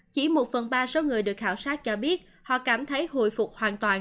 chỉ một phần ba số người được khảo sát cho biết họ cảm thấy hồi phục hoàn toàn